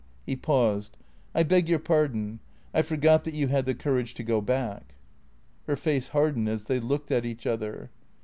He paused. " I beg your pardon. I forgot that you had the courage to go back." Her face hardened as they looked at each other.